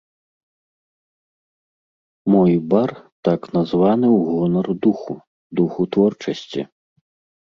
Мой бар так названы ў гонар духу, духу творчасці.